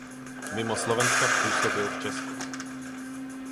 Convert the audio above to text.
Mimo Slovenska působil v Česku.